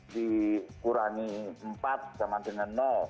dikurangi empat sama dengan